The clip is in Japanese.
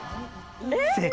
正解。